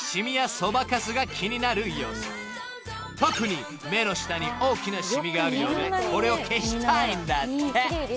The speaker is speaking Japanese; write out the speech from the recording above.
［特に目の下に大きなシミがあるようでこれを消したいんだって］